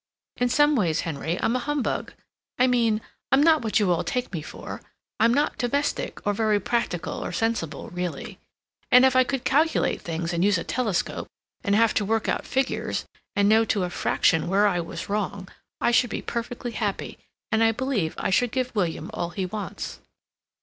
In some ways, Henry, I'm a humbug—I mean, I'm not what you all take me for. I'm not domestic, or very practical or sensible, really. And if I could calculate things, and use a telescope, and have to work out figures, and know to a fraction where I was wrong, I should be perfectly happy, and I believe I should give William all he wants."